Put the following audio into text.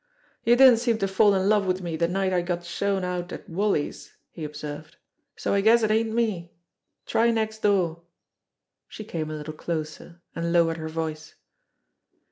"You didn't seem to fall in love with me the night I got shown out at Wally's," he observed, "so I guess it ain't me. Try next door!" She came a little closer, and lowered her voice.